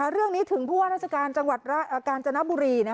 เรื่องนี้ถึงภูวะราชการการจนบุรี